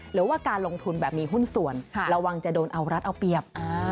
หรือว่าการลงทุนแบบมีหุ้นส่วนระวังจะโดนเอารัฐเอาเปรียบ